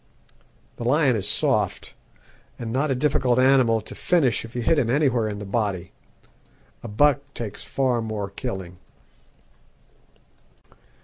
The lion is soft, and not a difficult animal to finish if you hit him anywhere in the body. A buck takes far more killing.